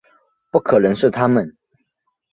不可能是他们